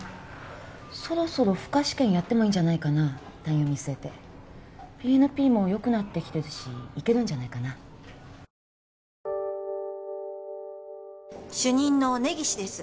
そろそろ負荷試験やってもいいんじゃないかな退院を見すえてＢＮＰもよくなってきてるしいけるんじゃないかな主任の根岸です